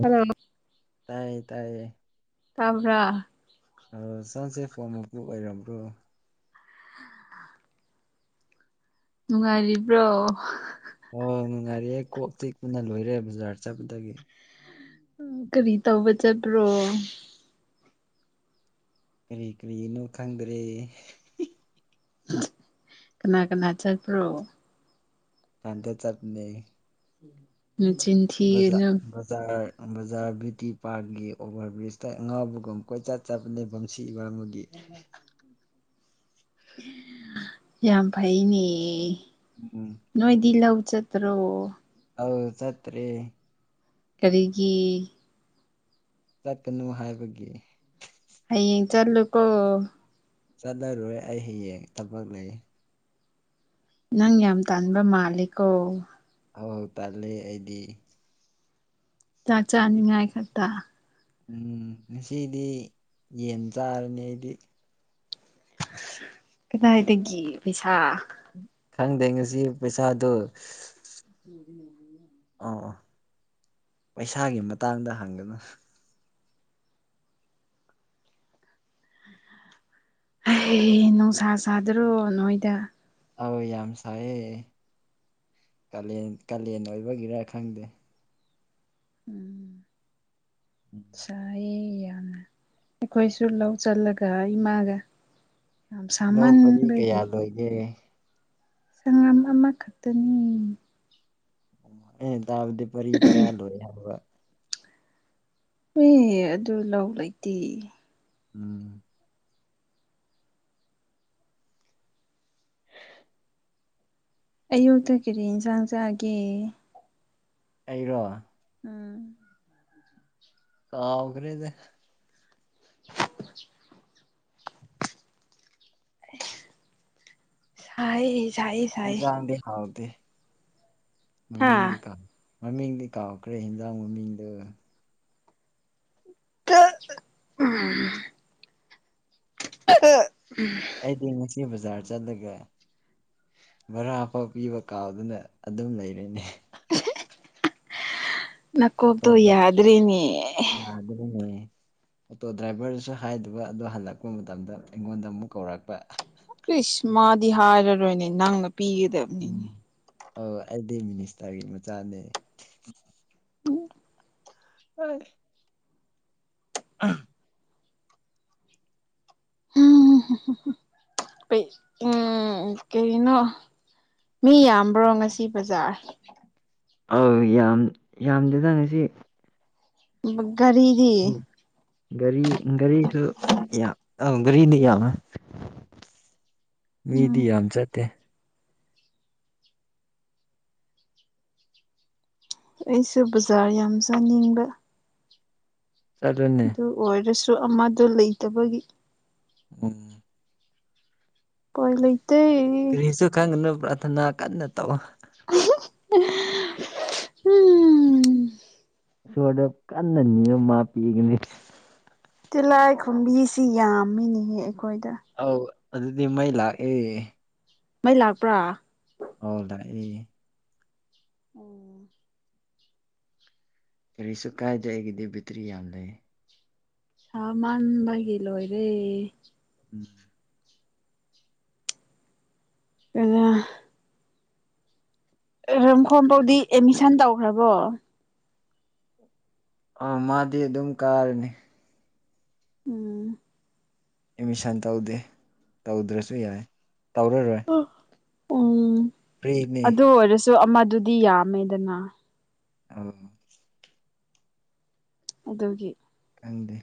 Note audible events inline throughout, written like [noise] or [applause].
hello ꯇꯥꯏꯌꯦ ꯇꯥꯏꯌꯦ ꯇꯕ꯭ꯔ ꯁꯥꯟꯆꯦ ꯐꯣꯔꯃꯞꯕꯨꯨ ꯑꯩꯩꯔꯝ꯭ꯔꯣ [inaudible] ꯅꯨꯡꯉꯥꯏꯔꯤꯕ꯭ꯔꯣ ꯑꯣ ꯅꯨꯡꯉꯥꯏꯔꯤꯦ ꯀꯣꯛ ꯇꯤꯛꯄꯅ ꯂꯣꯏꯔꯦ ꯃꯖꯥꯔ ꯆꯕꯗꯒꯦ ꯎꯝ ꯀꯔꯤꯇꯥꯕꯨꯕ ꯆ ꯄ꯭ꯔꯣ ꯀꯔꯤ ꯀꯔꯤꯅꯣ ꯈꯪꯗ꯭ꯔꯦ ꯀꯅꯥ ꯀꯅꯥ ꯆꯠꯄ꯭ꯔꯣ ꯊꯗꯦ ꯆꯠꯅꯦ ꯎꯝ ꯆꯤꯟꯊꯤꯑꯅ ꯕꯖꯥꯔ ꯕꯖꯥꯔ ꯕꯌꯨꯇꯤ ꯄꯥꯔꯛꯀꯤ ꯑꯣꯚꯔ ꯕ꯭ꯔꯤꯖꯇ ꯑꯉꯥꯎꯕꯒꯨꯝ ꯀꯣꯏꯆ ꯆꯠ ꯆꯥꯄ ꯂꯩꯐꯝꯁꯤ ꯒꯃꯗꯤ ꯌꯥꯝ ꯐꯩꯅꯦ ꯎꯝ ꯅꯣꯏꯗꯤ ꯂꯧ ꯆꯠꯇ꯭ꯔꯣ ꯑ ꯆꯠꯇꯔꯤ ꯀꯔꯤꯒꯤ ꯆꯠꯀꯅꯨ ꯍꯥꯏꯕꯒꯤ ꯑ ꯆꯜꯂꯨ ꯀꯣ ꯆꯠꯂꯔꯣꯏ ꯑꯩ ꯍꯌꯦꯡ ꯊꯕꯛ ꯂꯩ ꯅꯪ ꯌꯥꯝ ꯇꯥꯟꯕ ꯃꯥꯂꯦꯀꯣ ꯑꯋꯥ ꯇꯥꯜꯂꯤ ꯑꯩꯗꯤ ꯆꯥꯛ ꯆꯥꯅꯤꯉꯥꯏ ꯈꯛꯇ ꯎꯝ ꯉꯁꯤꯗꯤ ꯌꯦꯟ ꯆꯥꯔꯅꯤ ꯑꯩꯗꯤ ꯀꯗꯥꯏꯗꯒꯤ ꯄꯩꯁꯥ ꯈꯪꯗꯦ ꯉꯁꯤ ꯄꯩꯁꯥꯗꯨ ꯑꯥ ꯑꯥ ꯄꯩꯁꯥꯒꯤ ꯃꯇꯥꯡꯗ ꯍꯪꯒꯅꯨ ꯍ ꯅꯨꯡꯁꯥ ꯁꯥꯗ꯭ꯔꯣ ꯅꯣꯏꯗ ꯑꯧ ꯌꯥꯝ ꯁꯥꯏꯌꯦꯦ ꯀꯥꯦꯟ ꯀꯥꯂꯦꯟ ꯑꯣꯏꯕꯒꯤꯔ ꯈꯪꯗꯦ ꯎꯝ ꯎꯝ ꯁꯥꯌꯦ ꯑꯩꯈꯣꯏꯁꯨ ꯂꯧ ꯆꯜꯂꯒ ꯏꯃꯥꯒ ꯌꯥꯝ ꯂꯧꯕꯗꯤ ꯁꯥꯃꯟꯕꯒꯤ ꯀꯌꯥ ꯂꯣꯏꯒꯦ ꯁꯉꯝ ꯑꯃꯈꯛꯇꯅꯤ ꯑꯣ ꯑꯦꯟ ꯇꯥꯕꯗꯤ ꯄꯔꯤ ꯇꯔꯥ ꯂꯣꯏ ꯍꯥꯏꯕ ꯑꯦ ꯑꯗꯨ ꯂꯧ ꯂꯩꯇꯦ ꯎꯝ ꯑꯌꯨꯛꯇ ꯀꯔꯤ ꯌꯦꯟꯁꯥꯡ ꯆꯥꯛꯒꯦ [inaudible] ꯀꯥꯎꯒ꯭ꯔꯦꯗꯥ [inaudible] ꯁꯥꯏ ꯌꯦ ꯏꯟꯖꯥꯡꯗꯤ ꯍꯥꯎꯇꯩ ꯍꯥ ꯃꯃꯤꯗꯤ ꯀꯥ ꯃꯃꯤꯡꯗꯤ ꯀꯥꯎꯈ꯭ꯔꯦ ꯍꯦꯟꯖꯥꯡ ꯃꯃꯤꯡꯗꯨꯣ ꯑ ꯎꯝ ꯑ ꯑꯩꯗꯤ ꯏꯆꯦ ꯕꯖꯥꯔ ꯆꯠꯂꯒ ꯚꯔꯥꯐꯥꯎ ꯄꯤꯕ ꯀꯥꯎꯗꯨꯅ ꯑꯗꯨꯝ ꯂꯩꯔꯅꯦ [inaudible] ꯑꯣꯇꯣ ꯅꯀꯣꯕꯗꯣ ꯗ꯭ꯔꯥꯏ ꯌꯥꯗ꯭ꯅꯤ ꯌꯥꯗ꯭ꯔꯦꯅꯦ ꯑꯣꯇꯣ ꯗ꯭ꯔꯥꯏꯚꯔꯗꯨꯁꯨ ꯍꯥꯏꯗꯨꯕ ꯑꯗꯨ ꯍꯜꯂꯛꯄ ꯃꯇꯝꯗ ꯑꯩꯉꯣꯟꯗ ꯑꯃꯨꯛ ꯀꯧꯔꯛꯄ ꯏꯁ ꯃꯥ ꯗꯤ ꯍꯥꯏꯔꯔꯣꯏꯅꯦ ꯅꯪꯅ ꯎꯝ ꯄꯤꯒꯗꯕꯅꯤ ꯑ ꯑꯩꯗꯤ ꯃꯤꯅꯤꯁꯇꯔꯒꯤ ꯃꯆꯥꯅꯦ ꯍ ꯑ ꯎꯝ ꯀꯅꯣ ꯃꯤ ꯌꯥꯝꯕ꯭ꯔꯣ ꯉꯁꯤ ꯕꯖꯥꯔ ꯑ ꯌꯥꯝ ꯌꯥꯝꯗꯦꯗꯥꯅ ꯁꯤ ꯎ ꯎꯝ ꯒꯥꯔꯤ ꯒꯥꯔꯤꯁꯨ ꯌꯥ ꯑ ꯔꯤꯗꯤ ꯌꯥꯝ ꯃꯤꯗꯤ ꯎꯝ ꯌꯥꯝ ꯆꯠꯇꯦ ꯑꯩꯁꯨꯦ ꯕꯖꯥꯔ ꯌꯥꯝ ꯆꯥꯅꯤꯡꯕ ꯆꯠꯂꯨꯅꯦ ꯑꯣꯏ ꯑꯃꯗ ꯂꯩꯇꯕꯒꯤ ꯎ ꯄꯣꯏ ꯂꯩ ꯀꯔꯤꯁꯨ ꯈꯪꯅ ꯄꯔꯊꯅꯥ ꯀꯅꯠꯇꯧꯣ ꯎꯝ ꯁꯣꯔꯗ ꯀꯟꯅꯅꯤꯉ ꯃꯥ ꯄꯤꯒꯅꯤ ꯇꯤꯜꯍꯥꯏꯈꯨꯝꯕꯤꯁꯤ ꯌꯥꯝꯃꯤꯅꯦꯍꯦ ꯑꯩꯈꯣꯏꯗ ꯑꯥꯎ ꯑꯗꯨꯗꯤꯃ ꯏꯂ ꯑꯦ ꯃꯩ ꯂꯥꯛꯄ꯭ꯔꯥ ꯍꯗ ꯑꯣ ꯀꯔꯤꯁꯨ ꯀꯥꯏꯗ ꯑꯩꯒꯤꯗꯤ ꯕꯤꯦꯇ꯭ꯔꯤ ꯌꯥꯝ ꯂꯩ ꯍꯃꯥꯟ ꯃꯥꯒꯤ ꯂꯣꯏꯔꯦ ꯎꯝ [unintelligible] ꯀ [unintelligible] ꯔꯝꯈꯣ ꯐꯥꯎꯗꯤ ꯑꯦꯗꯃꯤꯁꯟ ꯇꯧꯈ꯭ꯔꯕꯣ ꯑꯥ ꯃꯥꯗꯤ ꯑꯗꯨꯝ ꯀꯥꯔꯅꯤ ꯎꯝ ꯑꯦꯠꯃꯤꯁꯟ ꯇꯧꯗꯦ ꯇꯧꯗ꯭ꯔꯁꯨ ꯌꯥꯏꯌꯦ ꯇꯧꯔꯥꯔꯣꯏ ꯎꯝ ꯑꯗꯨ ꯑꯣꯏꯔꯁꯨ ꯑꯗꯣ ꯑꯃꯗꯨꯗꯤ ꯌꯥꯝꯃꯦꯗꯅ ꯑ [unintelligible] ꯑꯗꯨꯒꯤ ꯅꯪꯗꯤ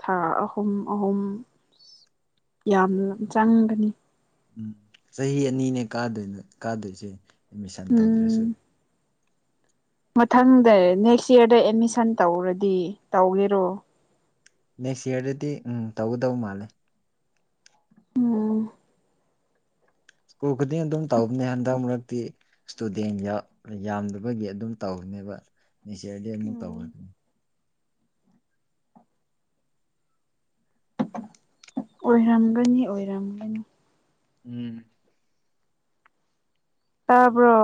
ꯊꯥ ꯑꯍꯨꯝ ꯑꯍꯨꯝ ꯌꯥꯝꯅ ꯆꯪꯒꯅꯤ ꯎꯝ ꯆꯍꯤ ꯑꯅꯤꯅꯦ ꯀꯥꯗꯣꯏꯅꯦ ꯀꯥꯗꯣꯏꯁꯦ ꯑꯦꯠꯃꯤꯁꯟ ꯇꯧꯗ꯭ꯔꯁꯨ ꯎꯝ ꯃꯊꯪꯗ ꯅꯦꯛꯁ ꯌꯥꯔꯗ ꯑꯦꯗꯃꯤꯁꯟ ꯇꯧꯔꯗꯤ ꯇꯧꯒꯦꯔꯣ ꯅꯦꯛꯁ ꯌꯥꯔꯗꯗꯤ ꯎꯝ ꯇꯧꯒꯗꯧ ꯃꯥꯜꯂꯦ ꯑꯝ [unintelligible] ꯁ꯭ꯀꯨꯜ ꯈꯨꯗꯤꯡ ꯑꯗꯨꯝ ꯇꯧꯕꯅꯦ ꯍꯟꯗꯛ ꯃꯔꯛꯇꯤ ꯁꯇꯨꯗꯦꯟ ꯌꯥꯝꯗꯕꯒꯤ ꯑꯗꯨꯝ ꯇꯧꯕꯅꯦꯕ ꯅꯦꯛꯁ ꯌꯥꯔꯗꯤ ꯑꯃꯨꯛ ꯎꯝ ꯇꯧꯒꯅꯤ ꯑꯣꯏꯔꯝꯒꯅꯤ ꯑꯣꯏꯔꯝꯒꯅꯤ ꯎꯝ ꯇꯥꯕ꯭ꯔꯣ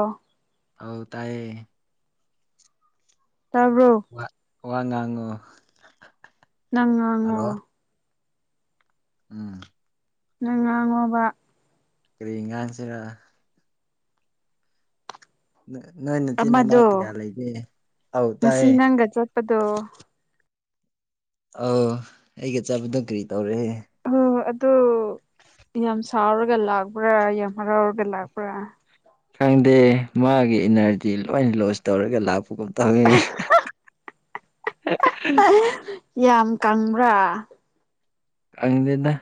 ꯑꯧ ꯇꯥꯏꯌꯦ ꯇꯥꯕ꯭ꯔꯣ ꯋꯥ ꯋꯥ ꯉꯥꯡꯉꯣ ꯅꯪꯉꯥꯡꯉꯣ ꯍꯜꯂꯣ ꯎꯝ ꯅꯪ ꯉꯥꯡꯉꯣꯕ ꯀꯥꯔꯤ ꯉꯥꯡꯁꯤꯔ ꯅꯣꯏ ꯅꯥꯆꯤꯟ ꯅꯥ-ꯅꯥꯎ ꯀꯌꯥ ꯑꯃꯗꯣ ꯂꯩꯒꯦ ꯑꯧ ꯇꯥꯏꯌꯦ ꯉꯁꯤ ꯅꯪꯒ ꯆꯠꯄꯗꯣ ꯑꯧ ꯑꯩꯒ ꯆꯠꯄꯗꯣ ꯀꯔꯤ ꯇꯧꯔꯦ ꯍꯣꯏ ꯑꯗꯨ ꯌꯥꯝ ꯁꯥꯎꯔꯒ ꯂꯥꯛꯄ꯭ꯔꯥ ꯌꯥꯝ ꯍꯔꯥꯎꯔꯒ ꯂꯥꯛꯄ꯭ꯔꯥ ꯈꯪꯗꯦ ꯃꯥꯒꯤ ꯏꯅꯔꯖꯤ ꯂꯣꯏꯅ ꯂꯣꯁ ꯇꯧꯔꯒ ꯂꯥꯛꯄꯒꯨꯝ ꯇꯧꯋꯦ ꯑ [unintelligible] ꯌꯥꯝ ꯀꯪꯕ꯭ꯔꯥ ꯀꯪꯗꯦꯗ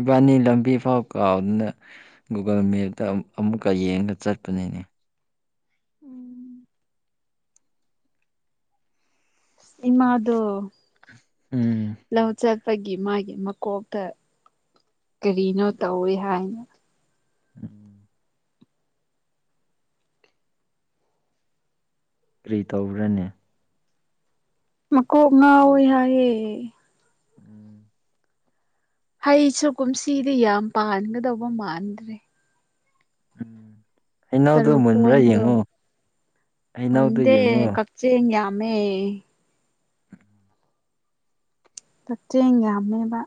ꯏꯕꯥꯅꯤ ꯂꯝꯕꯤ ꯐꯥꯎ ꯀꯥꯎꯗꯅ ꯒꯨꯒꯜ ꯃꯦꯞꯇ ꯑꯃꯨꯛꯀ ꯌꯦꯡꯉꯥꯒ ꯆꯠꯄꯅꯤꯅꯦ ꯏꯃꯥꯗꯣ ꯎꯝ ꯒꯤ ꯃꯥꯒꯤ ꯃꯀꯣꯛꯇ ꯀꯔꯤꯅꯣ ꯇꯧꯏꯤ ꯍꯥꯏꯅ ꯎꯝ ꯀꯔꯤ ꯇꯧꯔꯅꯦ ꯃꯀꯣꯛ ꯉꯥꯎꯋꯏ ꯍꯥꯏꯌꯦꯦ ꯎꯝ ꯍꯩꯁꯨ ꯀꯨꯝꯁꯤꯗꯤ ꯌꯥꯝ ꯄꯥꯟꯒꯗꯧꯕ ꯃꯥꯟꯗ꯭ꯔꯦ ꯎꯝ ꯍꯩꯅꯧꯗꯣ ꯁꯔꯄ ꯃꯨꯟꯕ꯭ꯔꯥ ꯑꯣꯗ ꯌꯦꯡꯉꯣ ꯍꯩꯅꯧꯗꯣ ꯑꯣꯗꯦ ꯌꯦꯡꯉꯣ ꯀꯞꯆꯦ ꯍꯌꯥ ꯑꯃ ꯄꯠꯇꯦꯡꯉ ꯑꯃꯦꯕ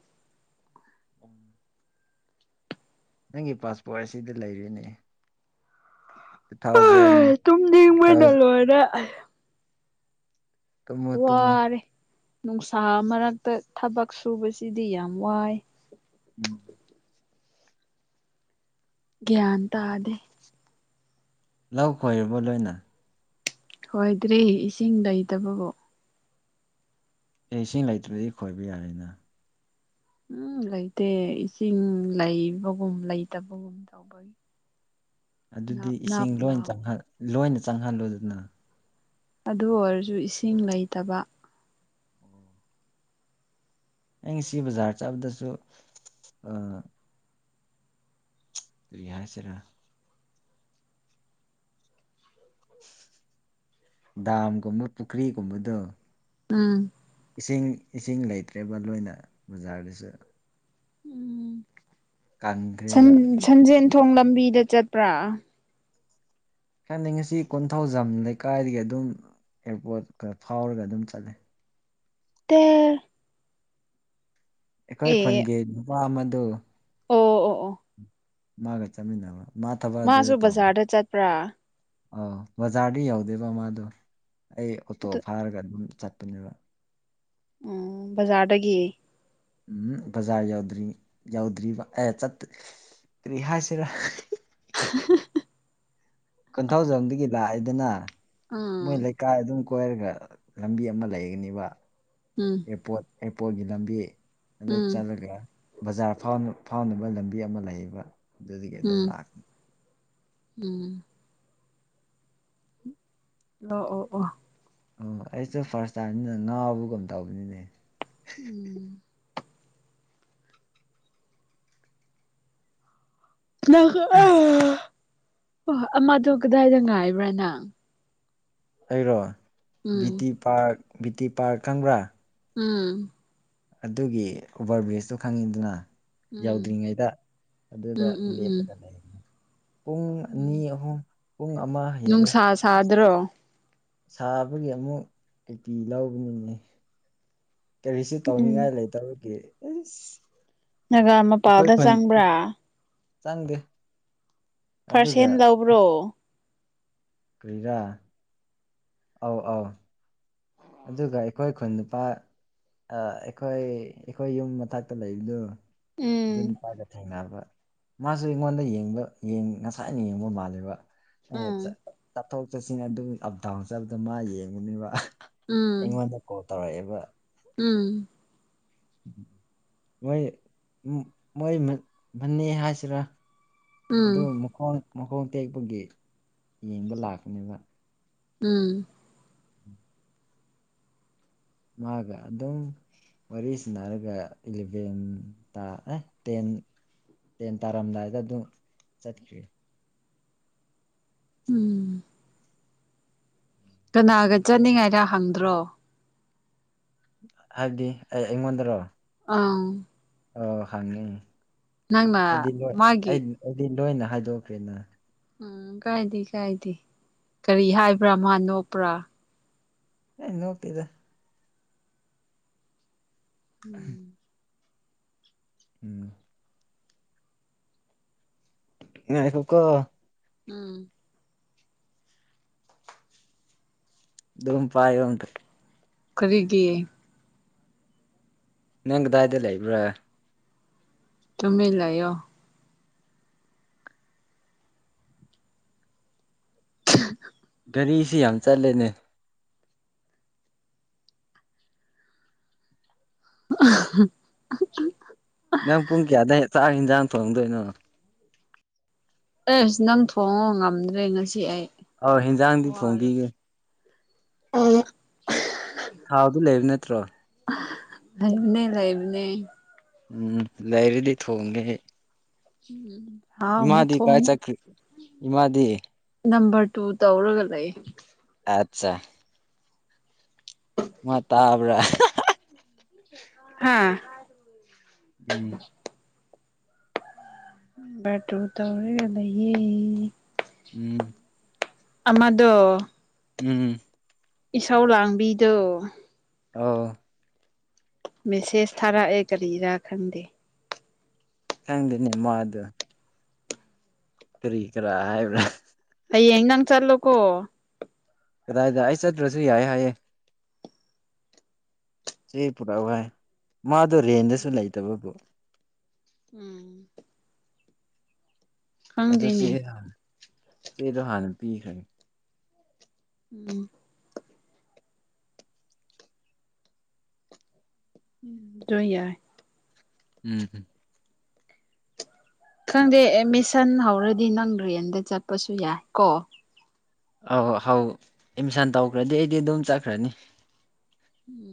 ꯅꯪꯒꯤ ꯄꯥꯁꯄꯣꯔꯠ ꯑꯁꯤꯗ ꯂꯩꯔꯤꯅꯤ ꯑꯥ ꯇꯨꯝꯅꯤꯪꯕꯅꯥ ꯊꯥꯎꯖꯟ ꯂꯣꯏꯔꯦ ꯑꯥ ꯇꯨꯝꯃꯣ ꯇꯨꯝꯃꯣ ꯋꯥꯔꯦ ꯅꯨꯡꯁꯥ ꯃꯔꯛꯇ ꯊꯕꯛ ꯁꯨꯕꯁꯤꯗꯤ ꯌꯥꯝ ꯋꯥꯏ ꯎꯝ ꯒꯦꯌꯥ ꯇꯗꯦ ꯂꯧ ꯈꯣꯏꯔꯕ ꯂꯣꯏꯅ ꯍꯣꯏꯗ꯭ꯔꯤ ꯏꯁꯤꯡ ꯂꯩꯇꯕꯕꯨ ꯑꯦ ꯏꯁꯤꯡ ꯂꯩꯇ꯭ꯔꯗꯤ ꯈꯣꯏꯕ ꯌꯥꯔꯦꯅ ꯎꯝ ꯂꯩꯇꯦ ꯏꯁꯤꯡ ꯂꯩꯕꯒꯨꯝ ꯂꯩꯇꯕꯒꯨꯝ ꯇꯧꯕꯒꯤ ꯑꯗꯨꯗꯤ ꯅꯥꯞ ꯅꯥꯞ ꯏꯁꯤꯡ ꯂꯣꯏꯅ ꯆꯪ ꯂꯥꯎꯕꯒꯤ ꯂꯣꯏꯅ ꯆꯪꯍꯜꯂꯨꯗꯅ ꯑꯗꯨ ꯑꯣꯏꯔꯁꯨ ꯏꯁꯤꯡ ꯂꯩꯇꯕ ꯑꯩ ꯉꯁꯤ ꯕꯖꯥꯔ ꯆꯠꯕꯗꯁꯨ ꯌꯥꯏꯁꯤꯦꯔ ꯗꯥꯝꯒꯨꯝꯕ ꯄꯨꯈ꯭ꯔꯤꯒꯨꯝꯕꯗꯣ ꯎꯝ ꯏꯁꯤꯡ ꯏꯁꯤꯡ ꯂꯩꯇ꯭ꯔꯦꯕ ꯂꯣꯏꯅ ꯕꯖꯥꯔꯗꯁꯨ ꯎꯝ ꯁꯟ ꯀꯪꯈ꯭ꯔꯦꯕ ꯁꯟꯖꯦꯟꯦꯟ ꯊꯣꯡ ꯂꯝꯕꯤꯗ ꯆꯠꯄ꯭ꯔꯥ ꯍꯥꯏꯥꯟꯗꯤ ꯉꯁꯤ ꯀꯣꯟꯊꯧꯖꯝ ꯂꯩꯀꯥꯏꯗꯒꯤ ꯑꯗꯨꯝ ꯑꯦꯌꯥꯔꯄꯣꯔꯠ ꯈꯔ ꯐꯥꯎꯔꯒ ꯑꯗꯨꯝ ꯆꯠꯂꯦ ꯇꯦ ꯑꯩꯈꯣꯏ ꯑꯦ ꯈꯪꯒꯦ ꯅꯨꯄꯥ ꯑꯃ ꯑꯗꯨ ꯑꯣ ꯑꯣ ꯑꯣ ꯃꯥꯒ ꯆꯠꯃꯤꯟꯅꯕ ꯃꯥ ꯊꯕꯛ ꯃꯥꯁꯨ ꯑꯗꯨꯗ ꯇꯧꯕ ꯕꯖꯥꯔꯗ ꯆꯠꯄ꯭ꯔꯥ ꯑꯥꯎ ꯕꯖꯥꯔꯗꯤ ꯌꯧꯗꯦꯕ ꯃꯥꯗꯣ ꯑꯩ ꯑꯣꯇꯣ ꯑꯗꯨ ꯐꯥꯔꯒ ꯑꯗꯨꯝ ꯆꯠꯄꯅꯦꯕ ꯎꯝ ꯕꯖꯥꯔꯗꯒꯤ ꯎꯝ ꯕꯖꯥꯔ ꯌꯗ꯭ꯔꯤ ꯌꯧꯗ꯭ꯔꯤꯕ ꯑꯦ ꯆ ꯀꯔꯤ ꯍꯥꯏꯁꯤꯔꯥ [inaudible] ꯀꯣꯟꯊꯧꯖꯝꯗꯒꯤ ꯂꯥꯛꯑꯦꯗꯅ ꯎꯝ ꯃꯣꯏ ꯂꯩ ꯀꯥꯏ ꯑꯗꯨꯝ ꯏꯁꯀ꯭ꯋꯥꯔꯒ ꯂꯝꯕꯤ ꯑꯃ ꯂꯩꯒꯅꯤꯕ ꯎꯝ ꯏꯄꯣ ꯑꯦꯔꯄꯣꯔꯠꯒꯤ ꯂꯝꯕꯤ ꯑꯗꯨꯗ ꯎꯝ ꯆꯠꯂꯒ ꯕꯖꯥꯔ ꯐꯥꯎ ꯐꯥꯎꯅꯕ ꯂꯝꯕꯤ ꯑꯃ ꯂꯩꯌꯦꯕ ꯑꯗꯨꯗꯤ ꯀꯩ ꯑꯗꯨꯝ ꯎꯝ ꯂꯥꯛꯀꯅꯤ ꯎꯝ ꯂ ꯑꯣ ꯑꯣ ꯑꯣ ꯑꯩꯁꯨꯦ ꯐꯥꯔꯁ ꯇꯥꯏꯝꯁꯤꯅ ꯉꯥꯕꯨꯒꯝ ꯇꯧꯕꯅꯤꯅꯦ ꯎꯝ ꯑ ꯍꯣꯏ ꯑꯃꯗ ꯀꯗꯥꯏꯗ ꯉꯥꯏꯕ꯭ꯔꯥꯅꯪ ꯑꯩꯔꯣ ꯕꯤꯇꯤ ꯄꯥꯔꯛ ꯕꯤꯌꯨꯇꯤ ꯄꯥꯔ ꯈꯪꯕ꯭ꯔꯥ ꯎꯝ ꯑꯗꯨꯒꯤ ꯎꯚꯔ ꯕ꯭ꯔꯤꯖꯇꯨ ꯈꯪꯉꯤꯗꯅ ꯎꯝ ꯌꯧꯗ꯭ꯔꯤꯉꯩꯗ ꯑꯗꯨꯗ ꯎꯝ ꯎꯝ ꯎꯝ ꯂꯦꯞꯄꯒ ꯂꯩ ꯄꯨꯡ ꯑꯅꯤ ꯎꯝ ꯑꯍꯨꯝ ꯄꯨꯡ ꯑꯃ ꯍꯌꯦꯦꯜꯂꯦ ꯅꯨꯡꯁꯥ ꯑꯁ ꯁꯥꯗ꯭ꯔꯣ ꯁꯥꯕꯒꯤ ꯑꯃꯨꯛ ꯀꯨꯄꯤ ꯂꯧꯕꯅꯤ ꯀꯔꯤꯁꯤ ꯎꯝ ꯇꯧꯅꯤꯡꯉꯥꯏ ꯂꯩꯇꯕꯒꯤ ꯎꯝ ꯅꯥꯒꯥ ꯃꯄꯥꯜꯗ ꯆꯪꯕ꯭ꯔꯥ ꯆꯪꯗꯦ ꯑꯗꯨꯒ ꯄꯥꯔꯁꯦꯟ ꯂꯧꯕ꯭ꯔꯣ ꯀ꯭ꯔꯤꯗꯥꯥ ꯑ ꯑ ꯑꯗꯨꯒ ꯑꯩꯈꯣꯏ ꯈꯨꯟ ꯅꯨꯄꯥ ꯑꯩꯈꯣꯏ ꯑꯩꯈꯣꯏ ꯌꯨꯝ ꯃꯊꯛꯇ ꯂꯩꯕꯗꯨꯣ ꯑꯗꯨ ꯎꯝ ꯅꯨꯄꯥꯥꯏꯒ ꯊꯦꯡꯅꯕ ꯃꯥꯁꯨ ꯑꯩꯉꯣꯟꯗ ꯌꯦꯡꯕ ꯉꯁꯥꯏꯅ ꯌꯦꯡꯕ ꯃꯥꯜꯂꯦꯕ ꯆꯥ ꯎꯝ ꯆ ꯊ ꯆꯠꯁꯤꯡ ꯑꯗꯨꯒꯤ ꯑꯞ ꯗꯥꯎꯟ ꯆꯠꯕꯗ ꯃꯥ ꯌꯦꯡꯉꯨꯅꯦꯕ ꯎꯝ ꯏꯉꯅꯣꯦ ꯇꯧꯔꯛꯑꯦꯕ ꯎꯝ ꯃꯣꯏ ꯃꯣꯏ ꯃꯅꯤ ꯍꯥꯏꯁꯤꯔꯥ ꯎꯝ ꯑꯗꯨ ꯃꯣꯟ ꯃꯈꯣꯡ ꯇꯦꯛꯄꯒꯤ ꯌꯦꯡꯕ ꯂꯥꯛꯀꯅꯦꯕ ꯎꯝ ꯎꯝ ꯃꯥꯒ ꯑꯗꯨꯝ ꯋꯥꯔꯤ ꯁꯟꯅꯔꯒ ꯏꯂꯚꯦꯟ ꯇ ꯑꯦ ꯇꯦꯟ ꯇꯦꯟ ꯇꯥꯔꯝꯗꯥꯏꯗ ꯑꯗꯨꯝ ꯆꯠꯈ꯭ꯔꯤꯦ ꯎꯝ ꯀꯅꯥꯒ ꯆꯠꯅꯤꯡꯉꯥꯏꯔ ꯍꯪꯗ꯭ꯔꯣ ꯍꯥꯏꯕꯗꯤ ꯑꯩ ꯑꯩꯉꯣꯟꯗꯔꯣ ꯑꯪ ꯑ ꯍꯪꯉꯤ ꯅꯪꯃ ꯃꯥꯒꯤ ꯑꯩꯗꯤ ꯂꯣꯏꯅ ꯍꯥꯏꯗꯣꯛꯀꯦꯅ ꯎꯝ ꯀꯥꯏꯗꯦ ꯀꯥꯏꯗꯦ ꯀꯔꯤ ꯍꯥꯏꯕ꯭ꯔꯥ ꯃꯥ ꯅꯣꯛꯄ꯭ꯔꯥ ꯑꯦ ꯅꯣꯞꯇꯦꯗ ꯎꯝ ꯎꯝ ꯉꯥꯏꯈꯣ ꯀꯣ ꯎꯝ ꯑꯗꯨꯝ ꯄꯥꯏꯇ ꯀꯔꯤꯒꯤ ꯅꯪꯗꯥꯏꯗꯂ ꯏꯕ꯭ꯔꯥ ꯆꯃꯦꯂꯣ [inaudible] ꯒꯥꯔꯤꯁꯤ ꯌꯥꯝ ꯆꯠꯂꯦꯅꯦ [inaudible] ꯅꯪ ꯄꯨꯡ ꯀꯌꯥꯗ ꯆꯥꯛ ꯌꯦꯟꯖꯥꯡ ꯊꯣꯡꯗꯣꯏꯅꯣ ꯑꯦꯁ ꯅꯪ ꯊꯣꯡꯉꯣ ꯉꯝꯗ꯭ꯔꯦ ꯉꯁꯤ ꯑꯩ ꯍꯟꯖꯥꯡꯗꯤ ꯊꯣꯡꯈꯤꯒꯦ ꯎꯝ ꯊꯥꯎꯗꯨ ꯂꯩꯕꯅꯦ ꯇ꯭ꯔꯥ ꯂꯥꯏꯕꯅꯦ ꯂꯩꯥꯏꯕꯅꯦ ꯎꯝ ꯂꯩꯔꯗꯤ ꯊꯣꯡꯒꯦ ꯍꯦꯛ ꯎꯝ ꯏꯃꯥꯗꯤ ꯀꯥꯏ ꯆꯀ꯭ꯔꯤ ꯏꯃꯥꯗꯤ ꯅꯝꯕꯔ ꯇꯨ ꯇꯧꯔꯒ ꯂꯩ ꯑꯩ ꯑꯠꯆꯥ ꯃꯥ ꯇꯥꯕ꯭ꯔꯥ ꯍꯥꯥ ꯎꯝ ꯦꯇꯔ ꯇꯧꯔꯦꯒꯗꯌꯦ [unintelligible] ꯎꯝ ꯑꯃꯗꯣ ꯎꯝ ꯏꯁꯧ ꯂꯥꯡꯕꯤꯗꯣ ꯑꯣ ꯃꯦꯁꯦꯁ ꯊꯥꯔꯛꯑꯦ ꯀꯔꯤꯔꯥ ꯈꯪꯗꯦ ꯈꯪꯗꯦꯅꯦ ꯃꯥꯗꯨ ꯀꯔꯤ ꯀꯔꯥ ꯍꯥꯏꯕ꯭ꯔ ꯍꯌꯦꯡ ꯅꯪ ꯆꯠꯂꯣꯀꯣ ꯀꯗꯥꯏꯗ ꯑꯩ ꯆꯠꯇ꯭ꯔꯁꯨ ꯌꯥꯏ ꯍꯥꯏꯌꯦ ꯆꯦ ꯄꯨꯔꯛꯎ ꯍꯥꯏ ꯃꯥꯗꯣ ꯔꯦꯟꯗꯁꯨ ꯂꯩꯇꯕꯕꯨ ꯎꯝ ꯑꯗꯨ ꯈꯪꯗꯦꯅꯦ ꯆ [unintelligible] ꯆꯦꯗꯣ ꯍꯥꯟꯅ ꯄꯈꯔꯦ ꯎꯝ ꯁꯨꯣꯏ ꯌꯥꯏ [unintelligible] ꯎꯝ ꯈꯪꯗꯦ ꯑꯦꯠꯃꯤꯁꯟ ꯍꯧꯔꯗꯤ ꯅꯪ ꯗ꯭ꯔꯦꯟꯗ ꯆꯠꯄꯁꯨ ꯌꯥꯏ ꯀꯣ ꯑꯧ ꯍꯧꯏ ꯑꯦꯠꯃꯤꯁꯟ ꯇꯧꯈ꯭ꯔꯗꯤ ꯑꯩꯗꯤ ꯑꯗꯨꯝ ꯆꯠꯈ꯭ꯔꯅꯤ ꯎꯝ